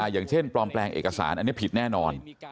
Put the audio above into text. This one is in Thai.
อย่างเช่นปลอมแปลงเอกสารอันนี้ผิดแน่นอน